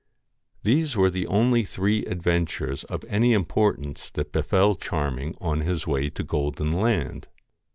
These were the only three adventures of any im portance that befell Charming on his way to Golden Land.